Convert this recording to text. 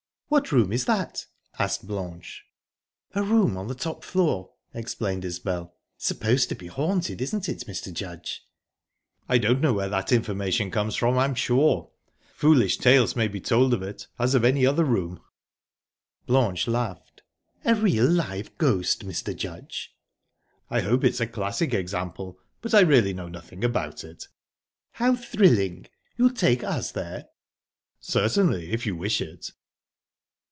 "What room is that?" asked Blanche. "A room on the top floor," explained Isbel. "Supposed to be haunted isn't it, Mr. Judge?" "I don't know where that information comes from, I'm sure. Foolish tales may be told of it, as of any other room." Blanche laughed. "A real live ghost, Mr. Judge?" "I hope it's a classic example, but I really know nothing about it." "How thrilling? You'll take us there?" "Certainly, if you wish it."